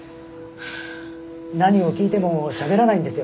何を聞いてもしゃべらないんですよ。